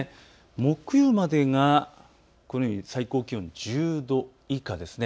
木曜までがこのように最高気温１０度以下ですね。